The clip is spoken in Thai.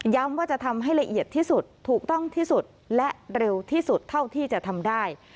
ว่าจะทำให้ละเอียดที่สุดถูกต้องที่สุดและเร็วที่สุดเท่าที่จะทำได้